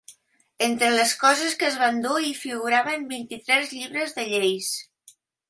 Entre les coses que es va endur hi figuraven vint-i-tres llibres de lleis.